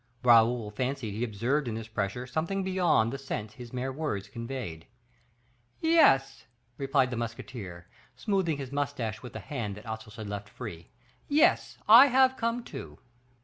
Raoul fancied he observed in this pressure something beyond the sense his mere words conveyed. "Yes," replied the musketeer, smoothing his mustache with the hand that Athos had left free, "yes, I have come too."